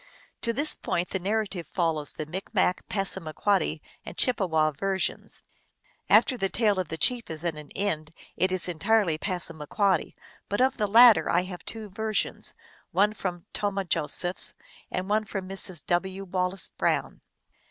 To this point the narrative follows the Micmac, Passamaquoddy, and Chippewa versions. After the tale of the chief is at an end it is entirely Passamaquoddy ; but of the latter I have two versions, one from Tomah Josephs and one from Mrs. "VV. Wallace Brown.